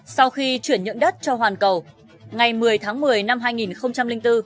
sau khi chuyển nhượng đất cho hoàn cầu ngày một mươi tháng một mươi năm hai nghìn bốn